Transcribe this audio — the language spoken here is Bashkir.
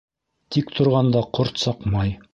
Тик торғанда ҡорт саҡмай.